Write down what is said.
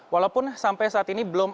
walaupun sampai saat ini belum